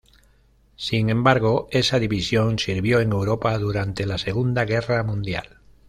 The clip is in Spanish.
Sin embargo, esa división sirvió en Europa durante la Segunda Guerra Mundial.